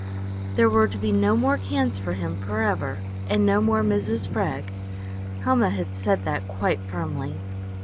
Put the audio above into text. There were to be no more cans for him forever, and no more Mrs. Freg. Helma had said that quite firmly.